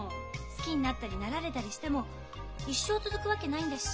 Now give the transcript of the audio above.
好きになったりなられたりしても一生続くわけないんだし。